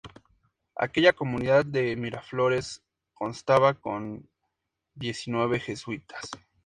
Aquella comunidad de Miraflores constaba con diecinueve jesuitas.